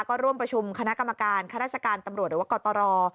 ก็ร่วมประชุมคณะกรรมการข้าราชการตำรวจหรือว่ากตร